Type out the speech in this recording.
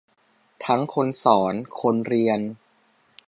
ทั้งคนสอนคนเรียน